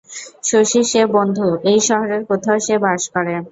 শশীর সে বন্ধু, এই শহরের কোথাও সে বাস করে।